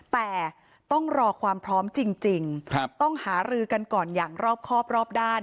แต่ต้องรอความพร้อมจริงต้องหารือกันก่อนอย่างรอบครอบรอบด้าน